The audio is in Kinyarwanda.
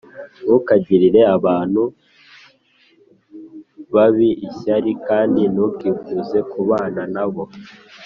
ntukagirire abantu babi ishyari, kandi ntukifuze kubana na bo,